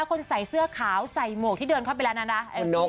คนใส่เสื้อขาวใส่หมวกที่เดินเข้าไปแล้วนะ